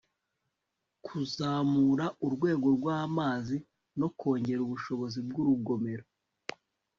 kuzamura urwego rw'amazi no kongera ubushobozi bw'urugomero